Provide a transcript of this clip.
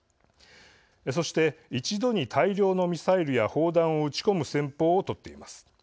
そして、一度に大量のミサイルや砲弾を撃ち込む戦法をとっています。